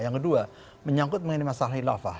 yang kedua menyangkut mengenai masalah hilafah